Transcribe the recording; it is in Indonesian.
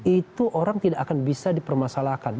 itu orang tidak akan bisa dipermasalahkan